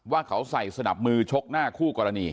ว่าเขาใส่สนับมือชกหน้าคู่กรณี